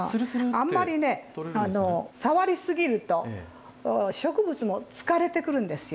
あんまり触り過ぎると植物も疲れてくるんですよ。